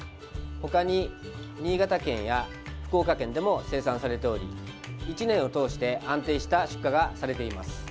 他に新潟県や福岡県でも生産されており１年を通して安定した出荷がされています。